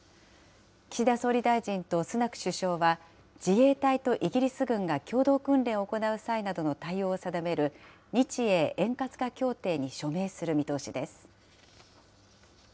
岸田総理大臣とスナク首相は、自衛隊とイギリス軍が共同訓練を行う際などの対応を定める、日英円滑化協定に署名する見通しです。